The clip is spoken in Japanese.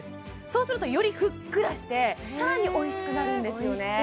そうするとよりふっくらしてさらにおいしくなるんですよね